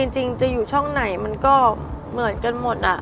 จริงจะอยู่ช่องไหนมันก็เหมือนกันหมด